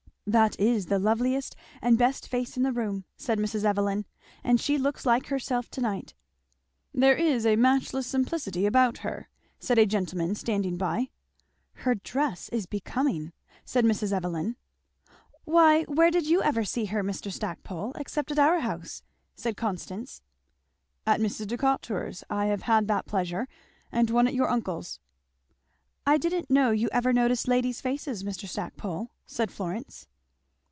"That is the loveliest and best face in the room," said Mr. Evelyn; "and she looks like herself to night." "There is a matchless simplicity about her," said a gentleman standing by. "Her dress is becoming," said Mrs. Evelyn. "Why where did you ever see her, Mr. Stackpole, except at our house?" said Constance. "At Mrs. Decatur's I have had that pleasure and once at her uncle's." "I didn't know you ever noticed ladies' faces, Mr. Stackpole," said Florence.